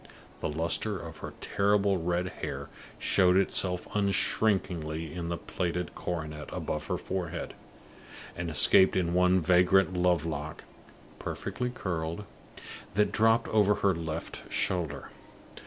The luster of her terrible red hair showed itself unshrinkingly in a plaited coronet above her forehead, and escaped in one vagrant love lock, perfectly curled, that dropped over her left shoulder.